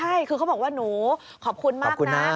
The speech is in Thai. ใช่คือเขาบอกว่าหนูขอบคุณมากนะ